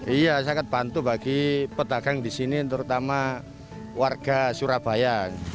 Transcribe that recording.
iya sangat bantu bagi petagang di sini terutama warga surabaya